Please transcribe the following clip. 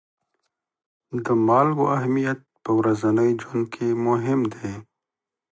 د مالګو اهمیت په ورځني ژوند کې مهم دی.